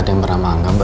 terima kasih ma